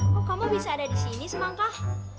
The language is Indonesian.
kok kamu bisa ada di sini semangkah